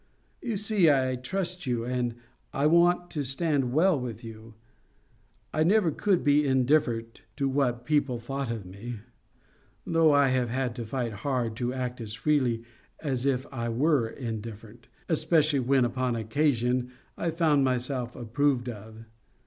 You see I trust you, and I want to stand well with you. I never could be indifferent to what people thought of me; though I have had to fight hard to act as freely as if I were indifferent, especially when upon occasion I found myself approved of.